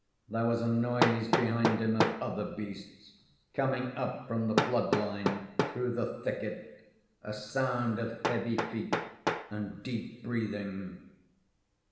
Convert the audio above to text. There was a noise behind him of other beasts coming up from the flood line through the thicket, a sound of heavy feet and deep breathing.